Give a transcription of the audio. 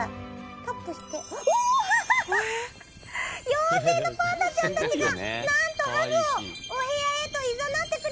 妖精のパンダちゃんたちがなんとハグをお部屋へといざなってくれております！